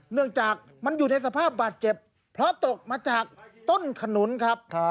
เนื่องจากมันอยู่ในสภาพบาดเจ็บเพราะตกมาจากต้นขนุนครับ